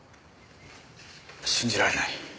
信じられない。